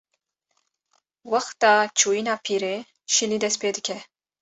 wexta çûyîna pîrê, şilî dest pê dike